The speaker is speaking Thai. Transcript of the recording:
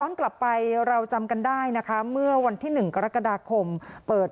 กลับไปเราจำกันได้นะคะเมื่อวันที่๑กรกฎาคมเปิด